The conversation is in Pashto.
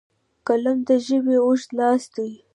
قلم د ژبې اوږد لاس دی